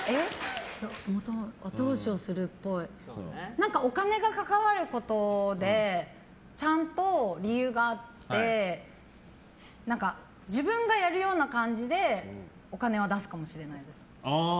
何か、お金が関わることでちゃんと理由があって自分がやるような感じでお金は出すかもしれないです。